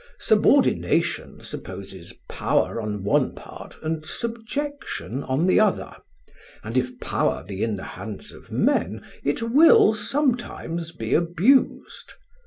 Subordination supposes power on one part and subjection on the other; and if power be in the hands of men it will sometimes be abused.